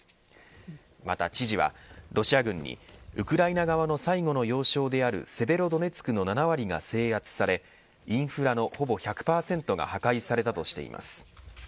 また知事はロシア軍にウクライナ側の最後の要衝であるセベロドネツクの７割が制圧されインフラのほぼ１００％が破壊されたとしています。